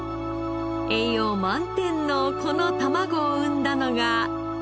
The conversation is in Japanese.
栄養満点のこの卵を産んだのが。